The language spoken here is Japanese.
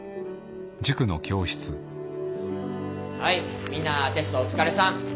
はいみんなテストお疲れさん。